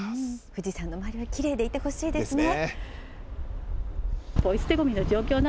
富士山の周りはきれいでいてほしいですね。